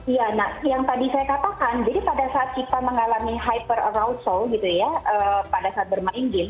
iya nah yang tadi saya katakan jadi pada saat kita mengalami hyper arousal gitu ya pada saat bermain game